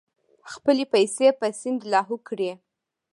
خپلې پیسې په سیند لاهو کړې.